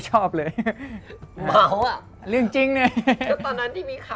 ตอนแรกยาวกว่านี้แล้วเพิ่งตัดได้๒อาทิตย์มั้งค่ะ